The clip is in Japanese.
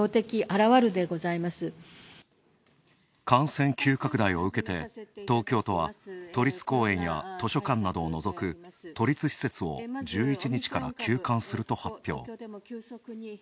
感染急拡大を受けて、東京都は都立公園や図書館などを除く、都立施設を１１日から休館すると発表。